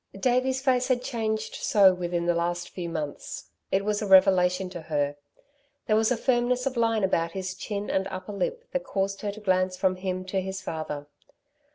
Davey's face had changed so within the last few months. It was a revelation to her. There was a firmness of line about his chin and upper lip that caused her to glance from him to his father.